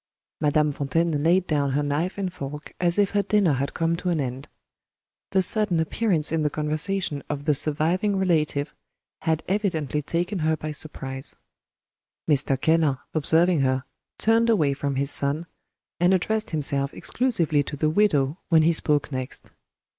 Madame Fontaine laid down her knife and fork as if her dinner had come to an end. The sudden appearance in the conversation of the "surviving relative," had evidently taken her by surprise. Mr. Keller, observing her, turned away from his son, and addressed himself exclusively to the widow when he spoke next.